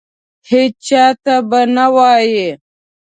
هیچا ته به نه وایې !